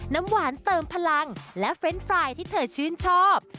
น้ำหวานเติมพลังและเฟรนด์ไฟล์ที่เธอชื่นชอบ